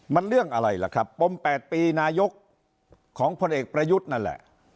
มันเรื่องอะไรล่ะครับปม๘ปีนายกของพลเอกประยุทธ์นั่นแหละ